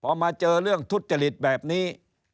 พอมาเจอเรื่องทุจริตแบบนี้